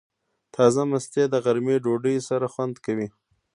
تازه مستې د غرمې ډوډۍ سره خوند کوي.